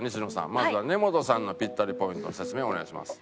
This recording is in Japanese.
まずは根本さんのピッタリポイントの説明をお願いします。